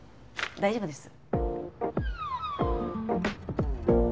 大丈夫です。